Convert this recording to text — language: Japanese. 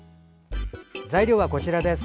材料はこちらです。